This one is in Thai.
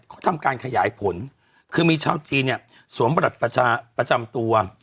เขาทำการขยายผลคือมีชาวจีนเนี่ยสวมบัตรประจำตัว